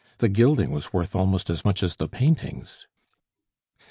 The gilding was worth almost as much as the paintings.